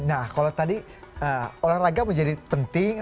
nah kalau tadi olahraga menjadi penting